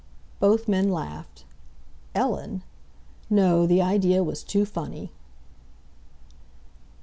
Both men laughed. Ellen? No, the idea was too funny.